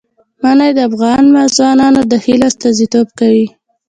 منی د افغان ځوانانو د هیلو استازیتوب کوي.